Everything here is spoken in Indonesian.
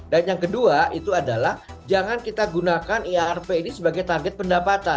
dan yang kedua itu adalah jangan kita gunakan irp ini sebagai target pendapatan